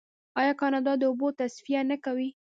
آیا کاناډا د اوبو تصفیه نه کوي؟